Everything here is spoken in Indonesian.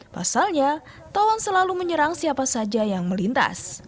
pasalnya tawon selalu menyerang siapa saja yang melintas